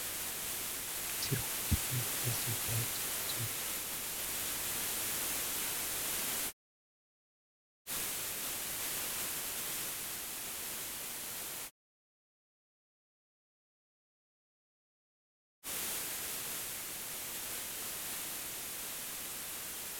Цэргүүд тэдний хүлээсийг тайлж, сувилахад, Балгармаа Болдын хүлгийг тайлж сувилж эхэллээ.